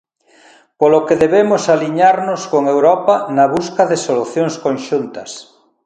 Polo que debemos aliñarnos con Europa na busca de solucións conxuntas.